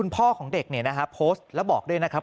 พ่อของเด็กเนี่ยนะครับโพสต์แล้วบอกด้วยนะครับ